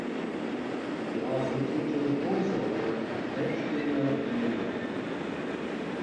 He also teaches voice-over at Edge Studio in New York.